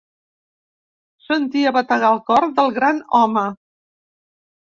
Sentia bategar el cor del gran home